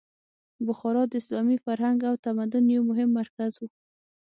بخارا د اسلامي فرهنګ او تمدن یو مهم مرکز و.